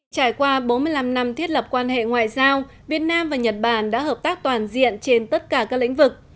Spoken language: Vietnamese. trải qua bốn mươi năm năm thiết lập quan hệ ngoại giao việt nam và nhật bản đã hợp tác toàn diện trên tất cả các lĩnh vực